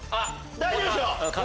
大丈夫でしょ！